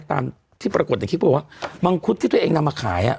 ตามที่ปรากฏอย่างที่บอกว่ามังคุดที่ตัวเองนำมาขายอ่ะ